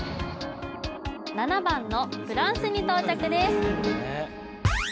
７番のフランスに到着です